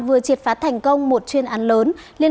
vừa triệt phát thành công một chuyên án lớn